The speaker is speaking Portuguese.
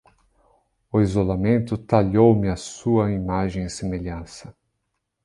O isolamento talhou-me à sua imagem e semelhança.